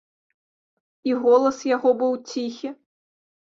І голас яго быў ціхі.